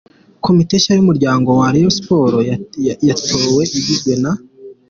Komite nshya y’umuryango wa Rayon Sports yatowe igizwe na:.